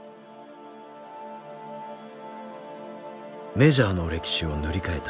メジャーの歴史を塗り替えた